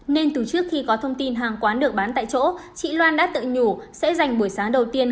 nên từ trước khi có thông tin hàng quán được bán tại chỗ chị loan đã tự nhủ sẽ dành buổi sáng đầu tiên